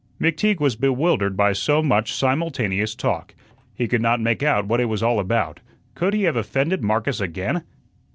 McTeague was bewildered by so much simultaneous talk. He could not make out what it was all about. Could he have offended Marcus again?